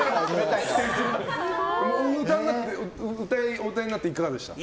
お歌いになっていかがですか？